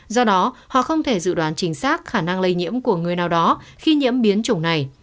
do đó họ không thể dự đoán chính xác khả năng lây nhiễm của người nào đó khi nhiễm biến chủng này